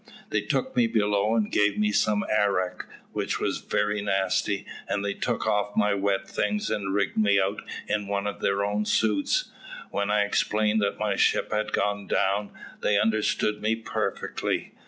They took me below and gave me some arrack, which was very nasty, and they took off my wet things, and rigged me out in one of their own suits. When I explained that my ship had gone down, they understood me perfectly.